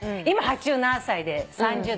今８７歳で。